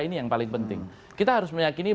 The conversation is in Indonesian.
ini yang paling penting kita harus meyakini